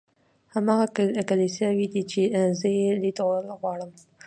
هماغه کلیساوې دي چې زه یې لیدل غواړم.